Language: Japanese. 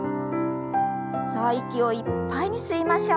さあ息をいっぱいに吸いましょう。